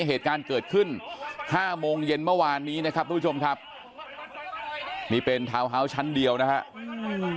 เหตุการณ์เกิดขึ้นห้าโมงเย็นเมื่อวานนี้นะครับทุกผู้ชมครับนี่เป็นทาวน์ฮาวส์ชั้นเดียวนะครับ